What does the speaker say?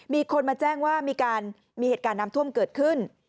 มีคนมาแจ้งว่ามีการมีเหตุการณ์น้ำท่วมเกิดขึ้น